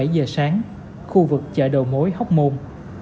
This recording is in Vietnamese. bảy giờ sáng khu vực chợ đầu mối hóc môn